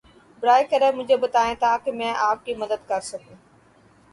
براہ کرم مجھے بتائیں تاکہ میں آپ کی مدد کر سکوں۔